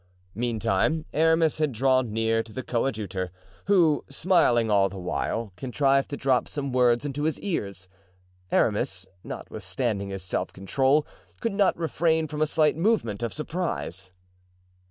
Meantime Aramis had drawn near to the coadjutor, who, smiling all the while, contrived to drop some words into his ear. Aramis, notwithstanding his self control, could not refrain from a slight movement of surprise.